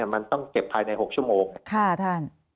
มันต้องเก็บภายใน๖ชั่วโมงท่าน